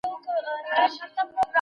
د ژوند سختۍ د شخصیت جوړولو وسیله ده.